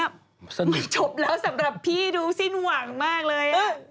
หยุดไม่จบแล้วสำหรับพี่ดูซิ้นหวังมากเลย